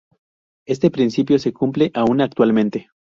Este principio se cumple aún actualmente.